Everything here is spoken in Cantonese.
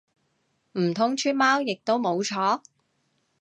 唔通出貓亦都冇錯？